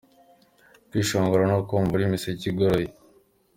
Kwishongora no kumva uri miseke igoroye.